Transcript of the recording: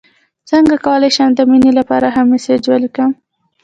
څنګه کولی شم د مینې لپاره ښه میسج ولیکم